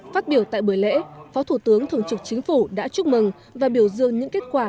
phát biểu tại buổi lễ phó thủ tướng thường trực chính phủ đã chúc mừng và biểu dương những kết quả